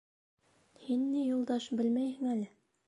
— Һин, ни, Юлдаш, белмәйһең әле.